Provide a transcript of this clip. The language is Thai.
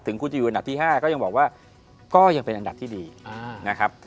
คุณจะอยู่อันดับที่๕ก็ยังบอกว่าก็ยังเป็นอันดับที่ดีนะครับ